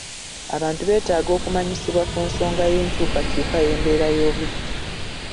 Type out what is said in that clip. Abantu beetaaga okumanyisibwa ku nsonga y'enkyukakyuka y'embeera y'obudde.